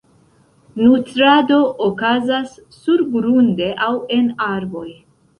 Nutrado okazas surgrunde aŭ en arboj.